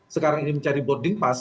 sekarang ini mencari boarding pass